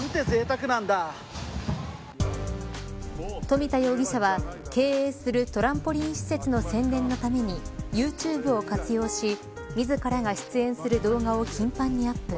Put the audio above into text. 富田容疑者は経営するトランポリン施設の宣伝のためにユーチューブを活用し自らが出演する動画を頻繁にアップ。